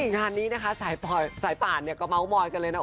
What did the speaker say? งานนี้นะคะสายป่านเนี่ยก็เมาส์มอยกันเลยนะ